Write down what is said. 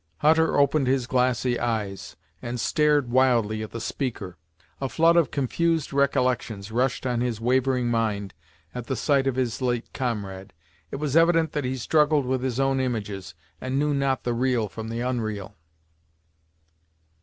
Hutter opened his glassy eyes, and stared wildly at the speaker. A flood of confused recollections rushed on his wavering mind at the sight of his late comrade. It was evident that he struggled with his own images, and knew not the real from the unreal.